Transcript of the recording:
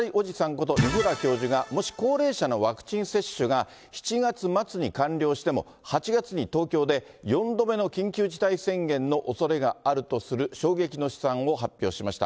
こと西浦教授が、もし高齢者のワクチン接種が、７月末に完了しても、８月に東京で４度目の緊急事態宣言のおそれがあるとする衝撃の試算を発表しました。